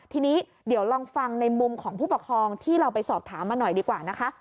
ทีนี้เดี๋ยวลองฟังในมุมของผู้ปกครองที่เราไปสอบถามมาหน่อยดีกว่านะคะ